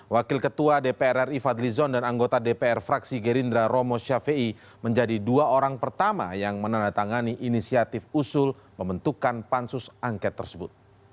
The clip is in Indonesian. wakil ketua dpr ri fadlizon dan anggota dpr fraksi gerindra romo syafiei menjadi dua orang pertama yang menandatangani inisiatif usul pembentukan pansus angket tersebut